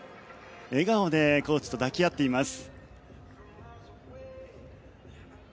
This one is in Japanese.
笑顔でコーチと抱き合っています。